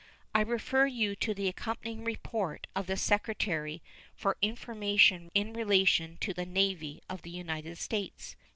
I refer you to the accompanying report of the Secretary for information in relation to the Navy of the United States.